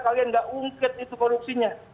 kalian nggak ungket itu korupsinya